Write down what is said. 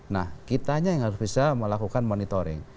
nah kitanya yang harus bisa melakukan monitoring